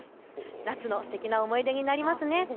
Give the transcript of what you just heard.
夏のすてきな思い出になりますね。